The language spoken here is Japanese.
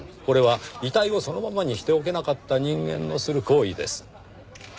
これは遺体をそのままにしておけなかった人間のする行為です。